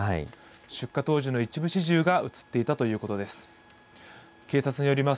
出火当時の一部始終が写っていたということです。